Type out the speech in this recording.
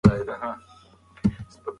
شاعر هڅه کوي لوستونکی راجلب کړي.